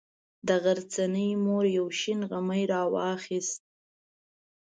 د غرڅنۍ مور یو شین غمی راواخیست.